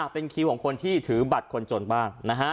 เป็นคิวของคนที่ถือบัตรคนจนบ้างนะฮะ